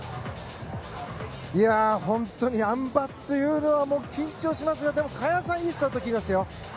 本当に、あん馬というのは緊張しますが萱さんはいいスタートを切りました。